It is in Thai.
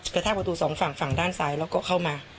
แทกประตูสองฝั่งฝั่งด้านซ้ายแล้วก็เข้ามา